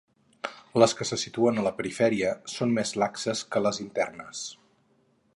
Les que se situen a la perifèria són més laxes que les internes.